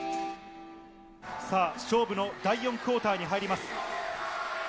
さあ、勝負の第４クオーターに入ります。